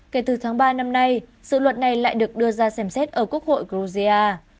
kể từ tháng ba năm nay dự luật này lại được đưa ra xem xét ở quốc hội georgia